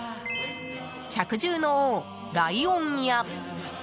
百獣の王ライオンや。